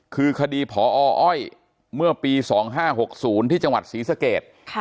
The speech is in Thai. คือคดีพออ้อยเมื่อปี๒๕๖๐ที่จังหวัดศรีสเกต